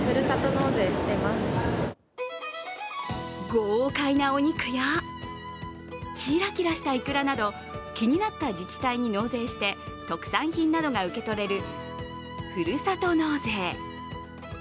豪快なお肉やキラキラしたいくらなど気になった自治体に納税して特産品などが受け取れるふるさと納税。